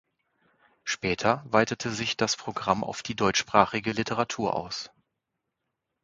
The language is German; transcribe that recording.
Später weitete sich das Programm auf die deutschsprachige Literatur aus.